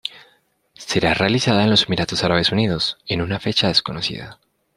Será realizada en los Emiratos Árabes Unidos, en una fecha desconocida.